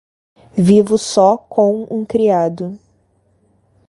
Vivo só, com um criado.